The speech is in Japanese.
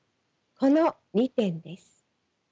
この２点です。